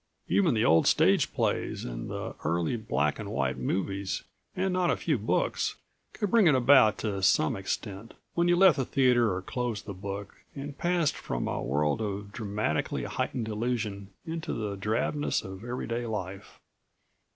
Even the old stage plays and the earlier black and white movies and not a few books could bring it about to some extent, when you left the theater or closed the book, and passed from a world of dramatically heightened illusion into the drabness of everyday life.